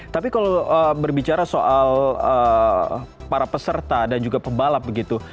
tapi kalau berbicara soal para peserta dan juga pebalap begitu